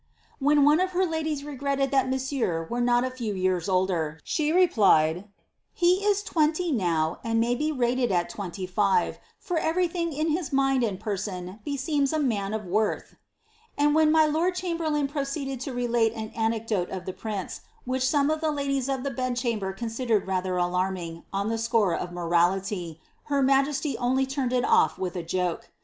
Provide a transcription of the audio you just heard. Wlieii one of her ladies regretted thai monsieur were iioi a few yean older, she replied, '■He ia iweniy now, and may be laied at iweiity tife, for everything in hia loind and person besreoit a nian of worth \"' and when tny lord cbaiuberlein proceeded lo relate aa anecdote uf the prince, which Bome of the ladies of the bed chamber cunuideied rather alarming on the Acore of morality, her m^eaiy only turned it olT with a joke.